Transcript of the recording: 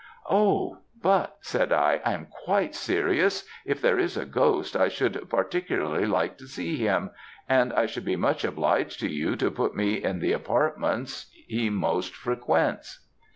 "'Oh! but,' said I, 'I am quite serious, if there is a ghost, I should particularly like to see him, and I should be much obliged to you to put me in the apartments he most frequents.'